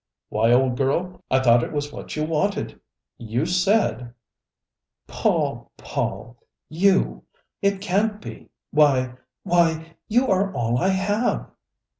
"Why, old girl, I thought it was what you wanted! I you said " "Paul, Paul! You! It can't be! Why why, you are all I have!"